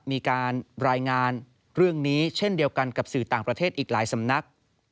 มีการรายงานเรื่องนี้เช่นเดียวกันกับสื่อต่างประเทศอีกหลายสำนัก